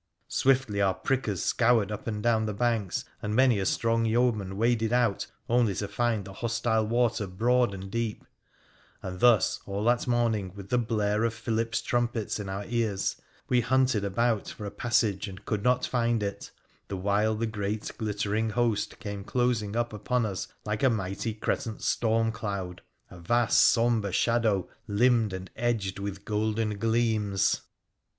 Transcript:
Swiftly our prickers scoured up and down the banks, and many a strong yeoman waded out, only to find the hostile water broad and deep ; and thus, all that morning, with the blare of Philip's trumpets in our ears, we hunted about for a passage and could not find it, the while the great glittering host came closing up upon us like a mighty crescent storm cloud — a vast sombre shadow, limned and edged with golden gleams.